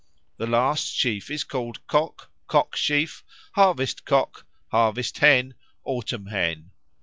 The last sheaf is called Cock, Cock sheaf, Harvest cock, Harvest hen, Autumn hen.